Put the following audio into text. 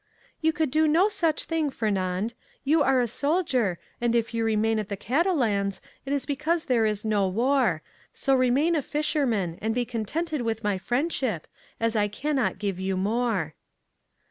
"You could do no such thing, Fernand; you are a soldier, and if you remain at the Catalans it is because there is no war; so remain a fisherman, and contented with my friendship, as I cannot give you more."